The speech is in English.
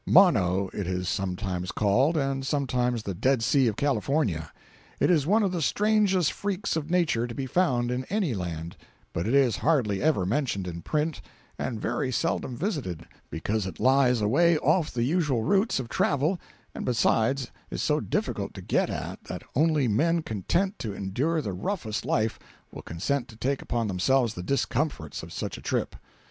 Mono, it is sometimes called, and sometimes the "Dead Sea of California." It is one of the strangest freaks of Nature to be found in any land, but it is hardly ever mentioned in print and very seldom visited, because it lies away off the usual routes of travel and besides is so difficult to get at that only men content to endure the roughest life will consent to take upon themselves the discomforts of such a trip.